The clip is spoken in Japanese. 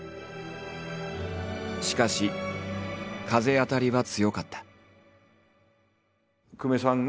しかし風当たりは強かった。